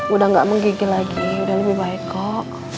udah gak menggigil lagi udah lebih baik kok